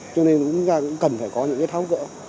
cho nên chúng ta cũng cần phải có những tháo cỡ